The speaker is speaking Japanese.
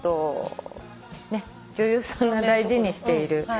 女優さんが大事にしている。